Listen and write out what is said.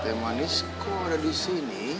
teman isiko ada disini